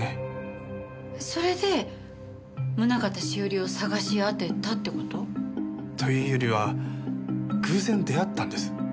それで宗方栞を捜し当てたって事？というよりは偶然出会ったんです。